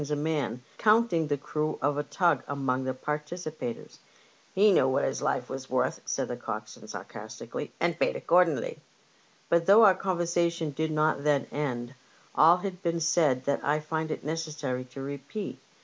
a man, counting the crew of a tug among the participators. *' He knew what his life was worth," said the coxswain sarcastically, ''and paid accordingly." * But though our conversation did not then end, all had been said that I find it necessary to repeat.